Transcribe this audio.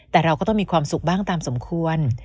แต่เราก็ต้องมีความสุขบ้างตามสมควร